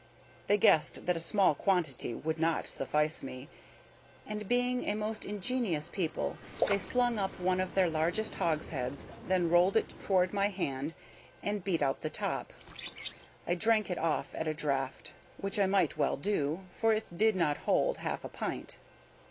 They guessed that a small quantity would not suffice me, and, being a most ingenious people, they slung up one of their largest hogsheads, then rolled it toward my hand, and beat out the top. I drank it off at a draught, which I might well do, for it did not hold half a pint.